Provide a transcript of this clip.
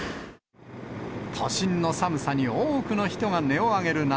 都心の寒さに多くの人が音を上げる中。